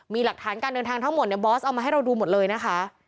มีหลักฐานการเดินทางทั้งหมดเนี่ยบอสเอามาให้เราดูหมดเลยนะคะ